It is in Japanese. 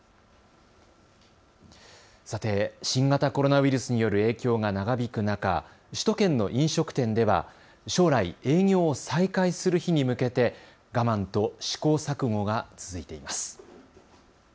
さて新型コロナウイルスによる影響が長引く中、首都圏の飲食店では将来、営業を再開する日に向けて我慢と試行錯誤が続いています。